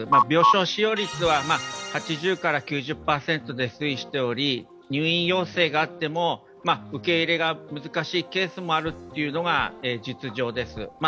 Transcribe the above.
病床使用率は８０から９０％で推移しており、入院要請があっても受け入れが難しいケースもあるというのが実情です。